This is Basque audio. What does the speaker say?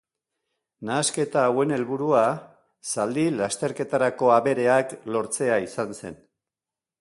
Nahasketa hauen helburua zaldi lasterketarako abereak lortzea izan zen.